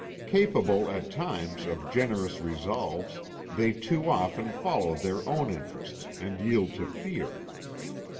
Capable, at times, of generous resolves, they too often follow their own interests and yield to fear.